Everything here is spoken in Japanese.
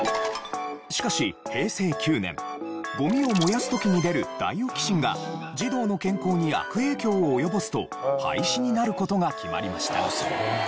しかし平成９年ゴミを燃やす時に出るダイオキシンが児童の健康に悪影響を及ぼすと廃止になる事が決まりました。